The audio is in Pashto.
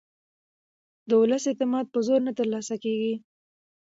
د ولس اعتماد په زور نه ترلاسه کېږي